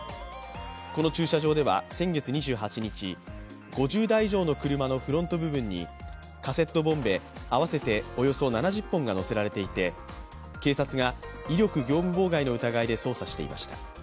この駐車場では先月２８日、５０台以上の車のフロント部分にカセットボンベ合わせておよそ７０本が載せられていて、警察が威力業務妨害の疑いで捜査していました。